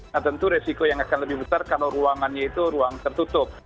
nah tentu resiko yang akan lebih besar kalau ruangannya itu ruang tertutup